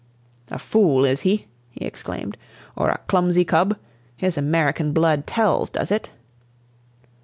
"A fool, is he?" he exclaimed. "Or a clumsy cub? His American blood tells, does it?"